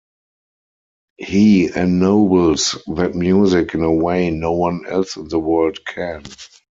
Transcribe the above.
He ennobles that music in a way no one else in the world can.